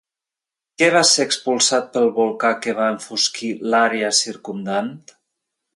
Què va ser expulsat pel volcà que va enfosquir l'àrea circumdant?